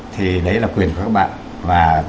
thì đấy là quyền của các bạn